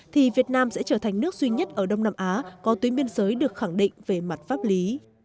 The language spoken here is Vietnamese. thì việt nam sẽ trở thành nước duy nhất ở đông nam á có tuyến biên giới được khẳng định về mặt pháp lý